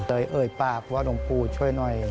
เลยเอ่ยปลาบว่าหลวงปูช่วยหน่อย